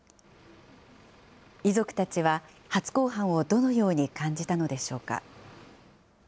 遺族たちは、初公判をどのように感じたのでしょうか。